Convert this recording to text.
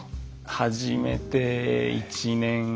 始めて１年。